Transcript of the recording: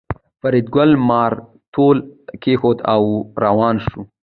فریدګل مارتول کېښود او روان شو